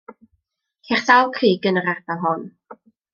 Ceir sawl crug yn yr ardal hon.